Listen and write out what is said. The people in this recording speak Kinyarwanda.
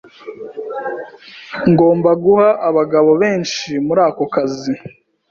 Ngomba guha abagabo benshi muri ako kazi.